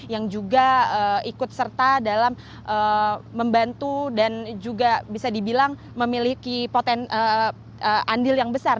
yang juga ikut serta dalam membantu dan juga bisa dibilang memiliki andil yang besar